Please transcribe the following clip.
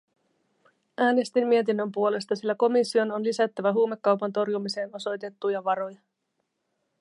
Äänestin mietinnön puolesta, sillä komission on lisättävä huumekaupan torjumiseen osoitettuja varoja.